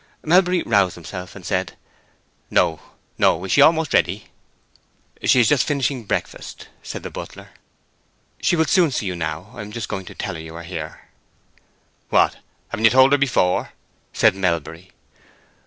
Melbury roused himself and said, "No, no. Is she almost ready?" "She is just finishing breakfast," said the butler. "She will soon see you now. I am just going up to tell her you are here." "What! haven't you told her before?" said Melbury.